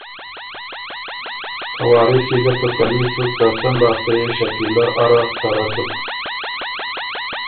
ته وارث يې ګۀ تسلي سُک که سن لاسته يې شکیلۀ اره ته رۀ سُک۔